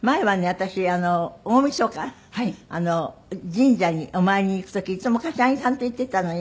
私大みそか神社にお参りに行く時いつも柏木さんと行ってたのよ。